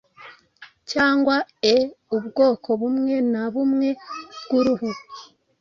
cyangwa e ubwoko bumwe na bumwe bw'uruhu